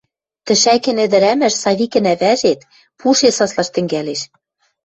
Тӹшӓкен ӹдӹрӓмӓш, Савикӹн ӓвӓжет, пуше саслаш тӹнгӓлеш.